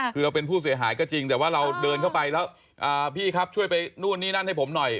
คือเราเป็นผู้เสียหายก็จริงแต่ว่าเราเดินเข้าไปแล้วพี่ครับช่วยไปนู่นนี่นั่นให้ผมหน่อย